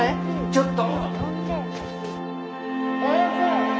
ちょっと。